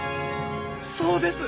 そうです！